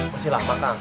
masih lama kang